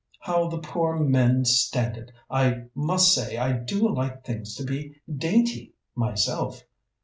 "How the poor men stand it! I must say I do like things to be dainty myself.